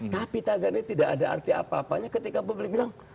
tapi tagar ini tidak ada arti apa apanya ketika publik bilang